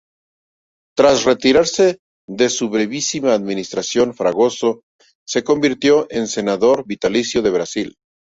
Tras retirarse de su brevísima administración Fragoso se convirtió en senador vitalicio de Brasil.